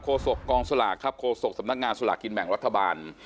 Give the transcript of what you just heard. ศกกองสลากครับโฆษกสำนักงานสลากกินแบ่งรัฐบาล